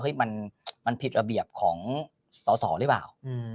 เฮ้ยมันมันผิดระเบียบของสอสอหรือเปล่าอืม